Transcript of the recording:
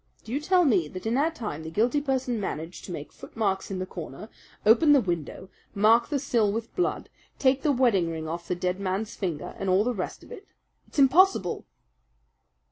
Do you tell me that in that time the guilty person managed to make footmarks in the corner, open the window, mark the sill with blood, take the wedding ring off the dead man's finger, and all the rest of it? It's impossible!"